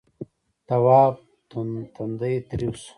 تواب تندی تريو شو.